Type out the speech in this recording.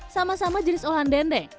sama sama jenis olahan dendeng